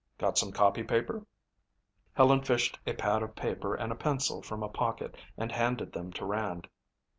Got some copypaper?" Helen fished a pad of paper and a pencil from a pocket and handed them to Rand.